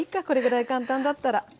これぐらい簡単だったら。